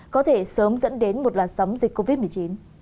có thể sớm dẫn đến một làn sóng dịch covid một mươi chín